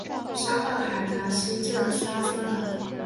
沙孟海塘溪镇沙村人。